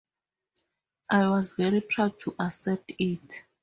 I was very proud to accept it.